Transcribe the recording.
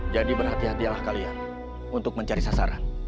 jadi berhati hatilah kalian untuk mencari sasaran